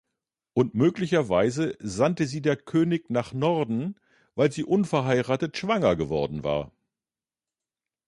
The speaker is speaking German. Und möglicherweise sandte sie der König nach Norden, weil sie unverheiratet schwanger geworden war.